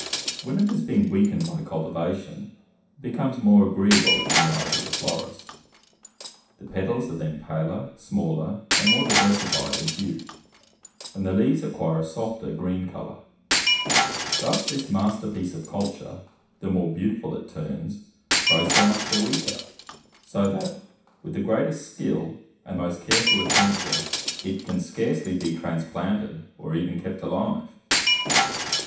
When it has been weakened by cultivation, it becomes more agreeable in the eyes of the florist. The petals are then paler, smaller, and more diversified in hue; and the leaves acquire a softer green colour. Thus this masterpiece of culture, the more beautiful it turns, grows so much the weaker, so that, with the greatest skill and most careful attention, it can scarcely be transplanted, or even kept alive."